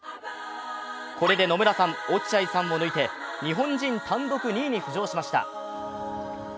これで野村さん、落合さんを抜いて日本人単独２位に浮上しました。